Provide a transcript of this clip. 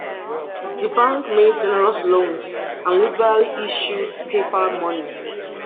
The bank made generous loans and liberally issued paper money.